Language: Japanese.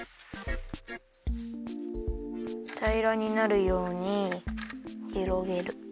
たいらになるようにひろげる。